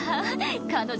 彼女